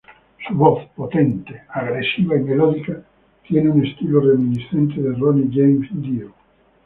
Su voz potente, agresiva y melódica tiene un estilo reminiscente de Ronnie James Dio.